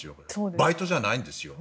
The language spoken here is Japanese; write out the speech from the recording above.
バイトじゃないんですよ。